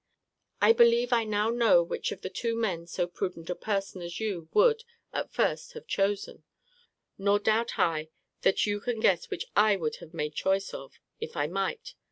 I believe I now know which of the two men so prudent a person as you would, at first, have chosen; nor doubt I that you can guess which I would have made choice of, if I might.